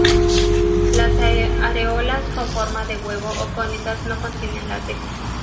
Las areolas con forma de huevo o cónicas no contienen látex.